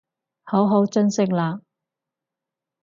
好好珍惜喇